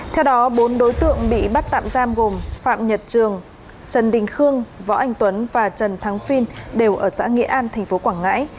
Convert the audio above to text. theo đó bốn đối tượng bị bắt tạm giam gồm phạm nhật trường trần đình khương võ anh tuấn và trần thắng phiên đều ở xã nghĩa an tp quảng ngãi